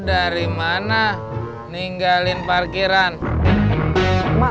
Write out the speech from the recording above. dari dulu juga gue masih suka sama ani jak